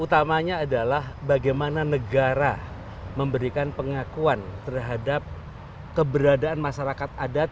utamanya adalah bagaimana negara memberikan pengakuan terhadap keberadaan masyarakat adat